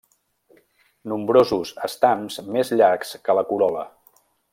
Nombrosos estams més llargs que la corol·la.